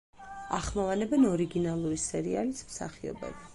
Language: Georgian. ახმოვანებენ „ორიგინალური სერიალის“ მსახიობები.